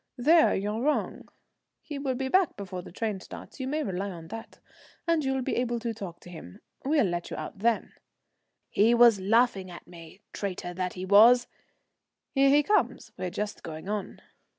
"There you're wrong; he will be back before the train starts, you may rely on that, and you'll be able to talk to him. We'll let you out then," he was laughing at me, traitor that he was. "Here he comes. We're just going on."